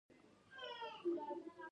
د کیلې پوستکی د څه لپاره وکاروم؟